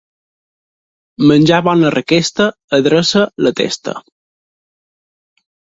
Menjar bona requesta adreça la testa.